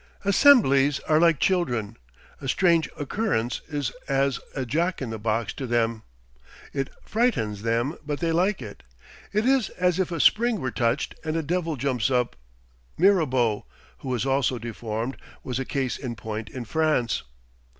Assemblies are like children. A strange occurrence is as a Jack in the Box to them. It frightens them; but they like it. It is as if a spring were touched and a devil jumps up. Mirabeau, who was also deformed, was a case in point in France.